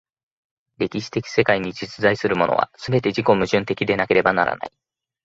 歴史的世界に実在するものは、すべて自己矛盾的でなければならない。